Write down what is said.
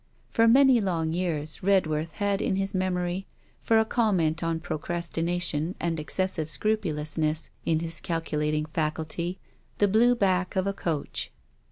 For many long years Redworth had in his memory, for a comment on procrastination and excessive scrupulousness in his calculating faculty, the blue back of a coach.